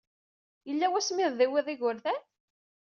Yella wasmi ay tdiwaḍ igerdan?